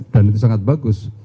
dan itu sangat bagus